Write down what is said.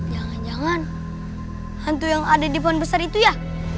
jangan jangan hantu yang ada di pohon besar itu ya